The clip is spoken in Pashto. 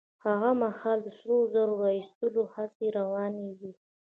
هغه مهال د سرو زرو را ايستلو هڅې روانې وې.